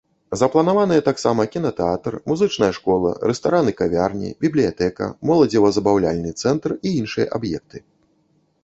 Запланаваныя таксама кінатэатр, музычная школа, рэстаран і кавярні, бібліятэка, моладзева-забаўляльны цэнтр і іншыя аб'екты.